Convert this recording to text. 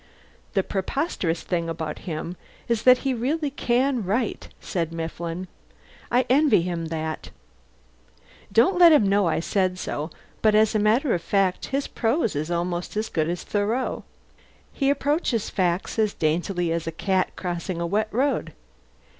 "The preposterous thing about him is that he really can write," said Mifflin. "I envy him that. Don't let him know I said so, but as a matter of fact his prose is almost as good as Thoreau. He approaches facts as daintily as a cat crossing a wet road."